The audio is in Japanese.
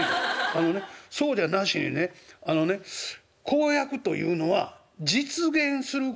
あのねそうじゃなしにねあのね公約というのは実現することを言わないと」。